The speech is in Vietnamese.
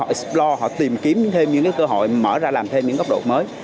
họ explore họ tìm kiếm thêm những cái cơ hội mở ra làm thêm những góc độ mới